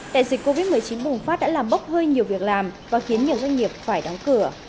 đại dịch covid một mươi chín bùng phát đã làm bốc hơi nhiều việc làm và khiến nhiều doanh nghiệp phải đóng cửa